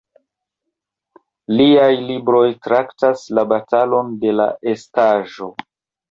Liaj libroj traktas la "batalon de la estaĵo".